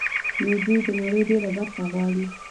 نو دوی د نړۍ ډېره برخه غواړي